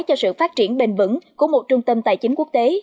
cho sự phát triển bền vững của một trung tâm tài chính quốc tế